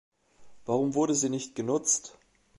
Warum wurde sie nicht genutzt?